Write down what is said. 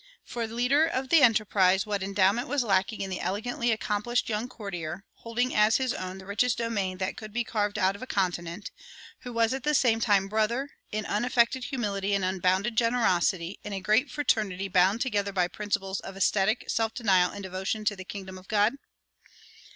For leader of the enterprise what endowment was lacking in the elegantly accomplished young courtier, holding as his own the richest domain that could be carved out of a continent, who was at the same time brother, in unaffected humility and unbounded generosity, in a great fraternity bound together by principles of ascetic self denial and devotion to the kingdom of God?